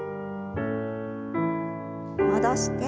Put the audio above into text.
戻して。